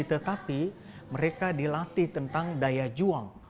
tetapi mereka dilatih tentang daya juang